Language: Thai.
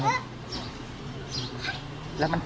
ตอนนั้นเขาก็เลยรีบวิ่งออกมาดูตอนนั้นเขาก็เลยรีบวิ่งออกมาดู